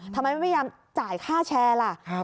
ทำไมไม่พยายามจ่ายค่าแชร์ล่ะ